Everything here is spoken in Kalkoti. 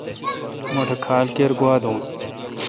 مٹھ کھال کیر گوا دو۔